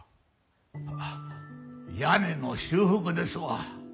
屋根の修復ですわ。